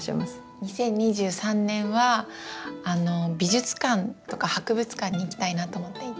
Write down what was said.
２０２３年は美術館とか博物館に行きたいなと思っていて。